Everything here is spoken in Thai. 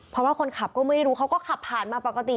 เพราะว่าคนขับก็ไม่ได้รู้เขาก็ขับผ่านมาปกติ